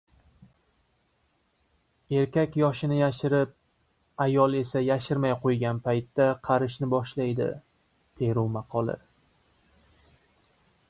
Erkak yoshini yashirib, ayol esa yashirmay qo‘ygan paytda qarishni boshlaydi. Peru maqoli